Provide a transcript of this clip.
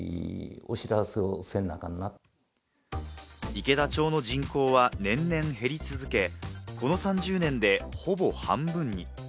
池田町の人口は年々減り続け、この３０年でほぼ半分に。